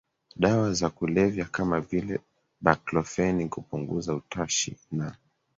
dawa za kulevya kama vile baklofeni kupunguza utashi na